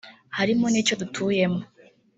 harimo n’icyo dutuyemo